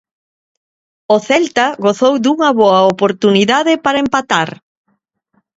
O celta gozou dunha boa oportunidade para empatar.